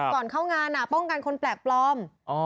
ก่อนเข้างานป้องกันคนแปลกปลอม